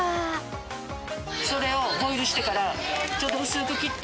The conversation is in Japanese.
それをボイルしてからちょっと薄く切って。